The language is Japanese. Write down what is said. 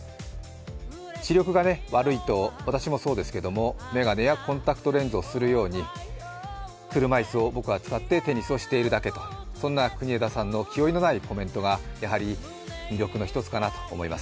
視力が悪いと私もそうですけれども、眼鏡やコンタクトレンズをするように、車椅子を僕は使ってテニスをしているだけと、そんな国枝さんの気負いのないコメントがやはり魅力の一つかなと思います。